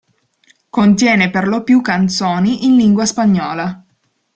Contiene per lo più canzoni in lingua spagnola.